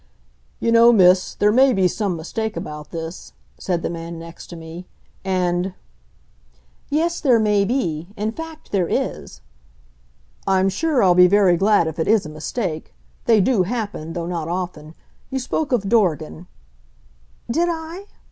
"You know, Miss, there may be some mistake about this," said the man next to me, "and " "Yes, there may be. In fact, there is." "I'm sure I'll be very glad if it is a mistake. They do happen though not often. You spoke of Dorgan " "Did I?"